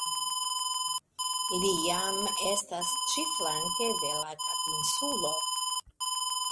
Li jam estas ĉi-flanke de la Kapinsulo.